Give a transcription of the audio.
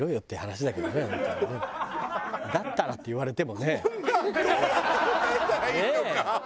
「だったら」って言われてもね。